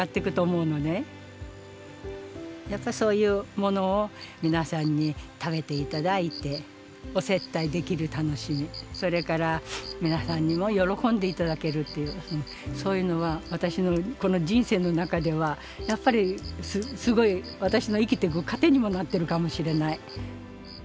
やっぱりそういうものを皆さんに食べて頂いてお接待できる楽しみそれから皆さんにも喜んでいただけるっていうそういうのは私のこの人生の中ではやっぱりすごい私の生きてく糧にもなってるかもしれない。